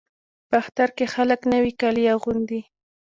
په اختر کې خلک نوي کالي اغوندي.